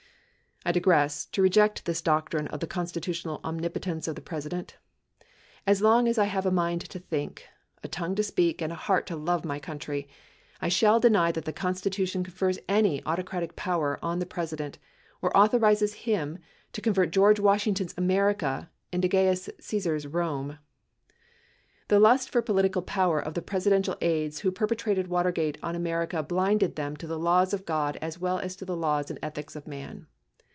I digress to reject this doctrine of the constitutional omnipotence of the President. As long as I have a mind to think, a tongue to speak, and a heart to love my country, I shall deny that the Constitution con fers any autocratic power on the President, or authorizes him to con vert George Washington's America into Gains Caesar's Rome. The lust for political power of the Presidential aides who perpe trated Watergate on America blinded them to the laws of God as well as to the laws and eth ics of man.